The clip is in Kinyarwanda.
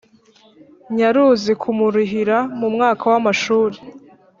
Nyaruzi kumurihira mu mwaka w amashuri